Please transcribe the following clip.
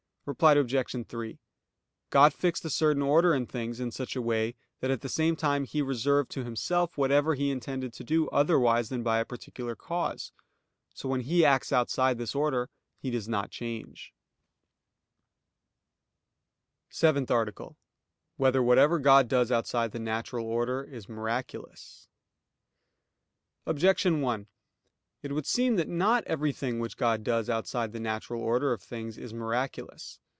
Reply Obj. 3: God fixed a certain order in things in such a way that at the same time He reserved to Himself whatever he intended to do otherwise than by a particular cause. So when He acts outside this order, He does not change. _______________________ SEVENTH ARTICLE [I, Q. 105, Art. 7] Whether Whatever God Does Outside the Natural Order Is Miraculous? Objection 1: It would seem that not everything which God does outside the natural order of things, is miraculous.